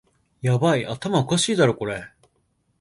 ヤバい、頭おかしいだろこれ